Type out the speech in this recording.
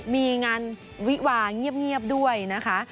มีงานวิวาเงียบด้วยนะคะ